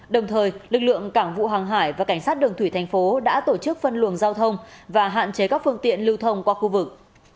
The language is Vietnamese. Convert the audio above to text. đồng thời lực lượng cảng vụ hàng hải và cảnh sát đường thủy thành phố đã tổ chức phân luồng giao thông và hạn chế các phương tiện lưu thông qua khu vực